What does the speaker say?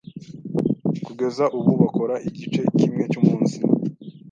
kugeza ubu bakora igice kimwe cy’umunsi